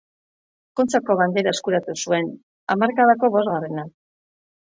Kontxako Bandera eskuratu zuen, hamarkadako bosgarrena.